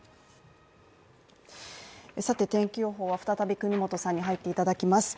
天気予報は再び國本さんに入っていただきます。